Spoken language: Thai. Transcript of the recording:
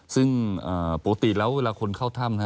ซึ่งปกติแล้วเวลาคนเข้าถ้ำ